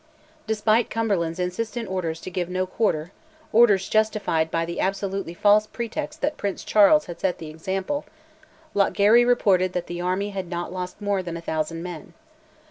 Despite Cumberland's insistent orders to give no quarter (orders justified by the absolutely false pretext that Prince Charles had set the example), Lochgarry reported that the army had not lost more than a thousand men.